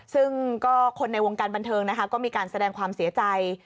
ซึ่งก็คนในวงการบันเทิงนะคะก็มีการแสดงความเสียใจ